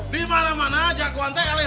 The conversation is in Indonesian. dimana mana jagoan lo alih alih